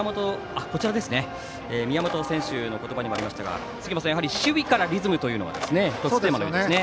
宮本選手の言葉にもありましたが杉本さん守備からリズムというのが１つテーマですね。